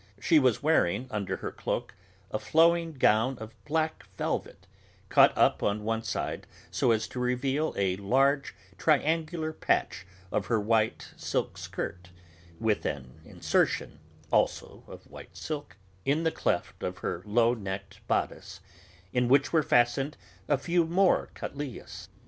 She was wearing, under her cloak, a flowing gown of black velvet, caught up on one side so as to reveal a large triangular patch of her white silk skirt, with an 'insertion,' also of white silk, in the cleft of her low necked bodice, in which were fastened a few more cattleyas.